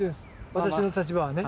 私の立場をね。